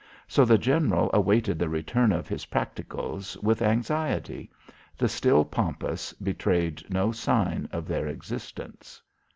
So the general awaited the return of his practicos with anxiety. The still pampas betrayed no sign of their existence.